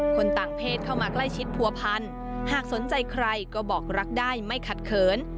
คนต่างเพศเข้ามาใกล้ชิดผัวพันหากสนใจใครก็บอกรักได้ไม่ขัดเขิน